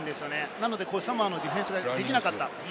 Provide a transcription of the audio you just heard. なのでサモアのディフェンスができなかった。